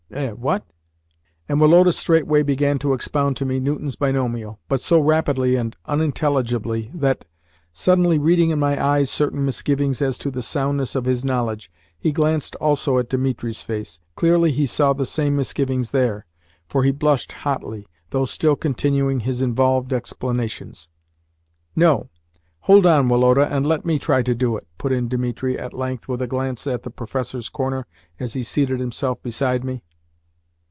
"Eh, what?" and Woloda straightway began to expound to me Newton's Binomial, but so rapidly and unintelligibly that, suddenly reading in my eyes certain misgivings as to the soundness of his knowledge, he glanced also at Dimitri's face. Clearly, he saw the same misgivings there, for he blushed hotly, though still continuing his involved explanations. "No; hold on, Woloda, and let me try and do it," put in Dimitri at length, with a glance at the professors' corner as he seated himself beside me.